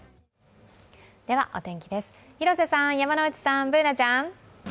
お天気です、広瀬さん、山内さん、Ｂｏｏｎａちゃん。